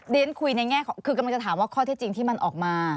เรียนคุยในแง่ของคือกำลังจะถามว่าข้อที่จริงที่มันออกมา